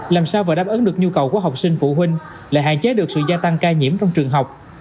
làm sao và đáp ứng được nhu cầu của học sinh phụ huynh lại hạn chế được sự gia tăng ca nhiễm trong trường học